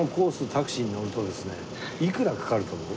タクシーに乗るとですねいくらかかると思う？